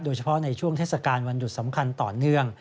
โดยเฉพาะในช่วงเทศกาลวันหยุดสำคัญต่อเนื่อง